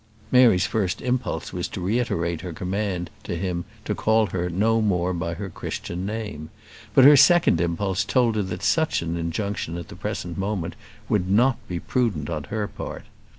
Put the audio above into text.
Mary's first impulse was to reiterate her command to him to call her no more by her Christian name; but her second impulse told her that such an injunction at the present moment would not be prudent on her part.